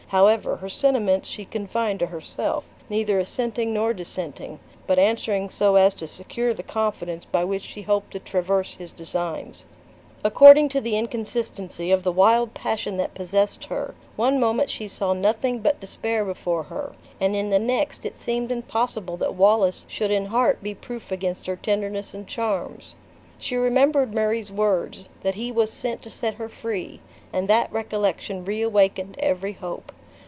However, her sentiments she confined to herself: neither assenting nor dissenting, but answering so as to secure the confidence by which she hoped to traverse his designs. According to the inconsistency of the wild passion that possessed her, one moment she saw nothing but despair before her, and in the next it seemed impossible that Wallace should in heart be proof against her tenderness and charms. She remembered Murray's words: that he was sent to set her free, and that recollection reawakened every hope.